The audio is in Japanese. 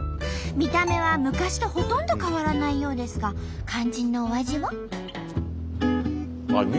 見た目は昔とほとんど変わらないようですが肝心のお味は？